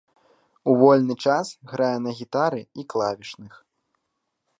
У вольны час грае на гітары і клавішных.